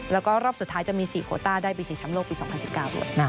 แล้วก็รอบสุดท้ายจะมี๔โคต้าได้ไปชิงช้ำโลกปี๒๐๑๙ด้วย